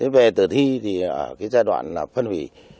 về tử thi thì giai đoạn phân hủy